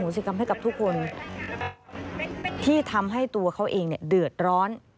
สิ่งที่ทำให้ตัวเขาเองเดือดร้อน